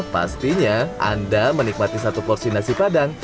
pastinya anda menikmati satu porsi nasi padang